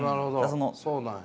そうなんや。